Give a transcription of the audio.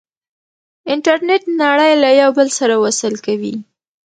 انټرنیټ نړۍ له یو بل سره وصل کوي.